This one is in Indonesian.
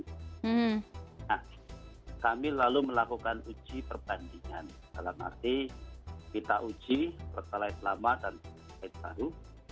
nah kami lalu melakukan uji perbandingan dalam arti kita uji pertalite lama dan pertalite baru